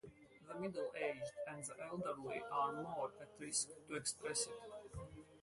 The middle-aged and the elderly are more at risk to express it.